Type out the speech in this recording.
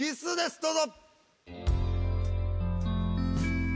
どうぞ。